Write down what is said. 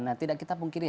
nah tidak kita pungkiri